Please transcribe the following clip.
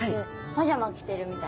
パジャマ着てるみたい。